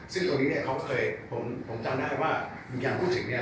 ซึ่งตรงนี้เนี่ยเขาเคยผมจำได้ว่าวิญญาณพูดถึงเนี่ย